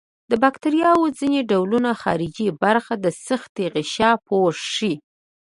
د باکتریاوو ځینې ډولونه خارجي برخه د سختې غشا پوښي.